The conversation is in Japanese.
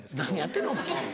何やってんのお前。